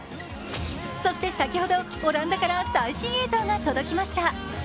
そして先ほど、オランダから最新映像が届きました。